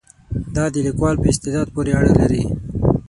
دا د لیکوال په استعداد پورې اړه لري.